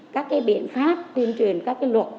các biện pháp tuyên truyền các luật